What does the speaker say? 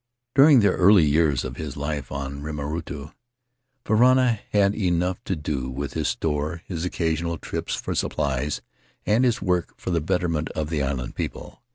"During the early years of his life on Rimarutu, Varana had enough to do with his store, his occasional trips for supplies, and his work for the betterment of the island people.